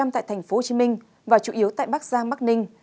một trăm linh tại tp hcm và chủ yếu tại bắc giang bắc ninh